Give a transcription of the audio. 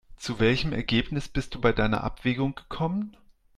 Zu welchem Ergebnis bist du bei deiner Abwägung gekommen?